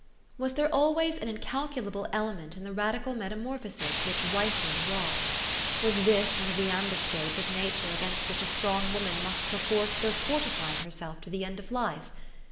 Was there always an incal culable element in the radical metamorphosis which wifehood wrought ? Was this one of the ambuscades of nature against which a strong woman must per force go fortifying herself to the end of life